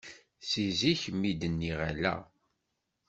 Si zik mi d-nniɣ ala.